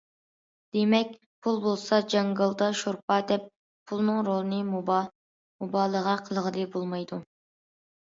دېمەك،‹‹ پۇل بولسا جاڭگالدا شورپا›› دەپ پۇلنىڭ رولىنى مۇبالىغە قىلغىلى بولمايدۇ.